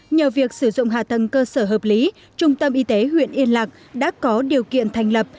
nhờ việc sử dụng hạ tầng cơ sở hợp lý trung tâm y tế huyện yên lạc đã có điều kiện thành lập